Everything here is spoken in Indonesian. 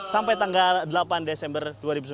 sampai tanggal delapan desember dua ribu sembilan belas